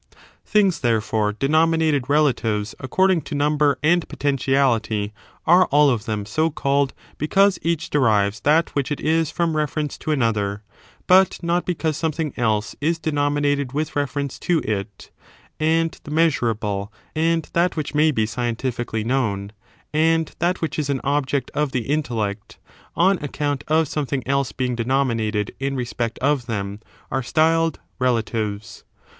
Things, therefore, denominated relatives ac ^ xhethrd cording to number and potentiality are all of as the objective them so called because each derives that which *?^'J^e subjec it is from reference to another, but not because something else is denominated with reference to it ; and the measurable, and that which may be scientifically known, and that which is an object of the intellect,^ on account of some thing else being denominated in respect of them, are styled relatives.